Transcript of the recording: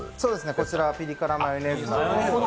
こちらはピリ辛マヨネーズです。